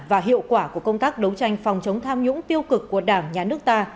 và hiệu quả của công tác đấu tranh phòng chống tham nhũng tiêu cực của đảng nhà nước ta